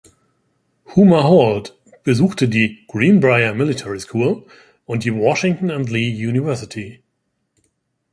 Homer Holt besuchte die "Greenbrier Military School" und die Washington and Lee University.